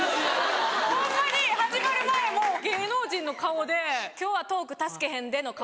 ホンマに始まる前も芸能人の顔で「今日はトーク助けへんで」の顔。